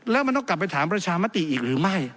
แล้วมันต้องกลับไปถามประชามติอีกหรือไม่